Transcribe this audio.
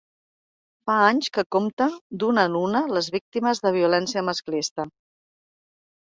Fa anys que compta, d’una en una, les víctimes de violència masclista.